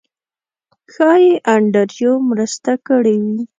ښایي انډریو مرسته کړې وي.